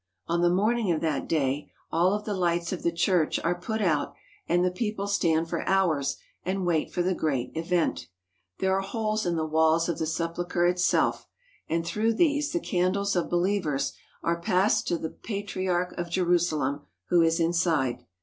On the morning of that day all of the lights of the church are put out, and the people stand for hours and wait for the great event. There are holes in the walls of the Sepulchre itself, and through these the candles of believers are passed to the Pa triarch of Jerusalem, who is inside.